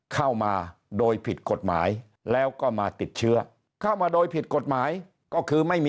เข้ามาโดยผิดกฎหมายแล้วก็มาติดเชื้อ